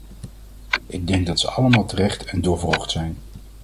Ik denk dat ze allemaal terecht en doorwrocht zijn.